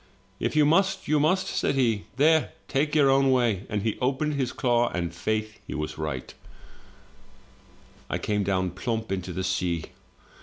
" 'If you must, you must,' said he; 'there, take your own way;* and he opened his claw, and, faith, he was right — I came down plump into the sea!